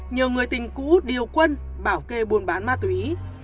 nhờ người tình cũ điều quân bảo kê buôn bán ma túy